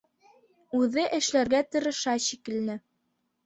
Үҙе эшләргә тырыша шикелле